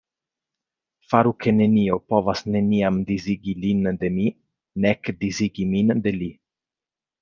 Faru ke nenio povas neniam disigi lin de mi nek disigi min de li”.